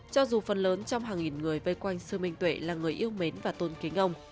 cho dù phần lớn trong hàng nghìn người vây quanh sư minh tuệ là người yêu mến và tôn kính ông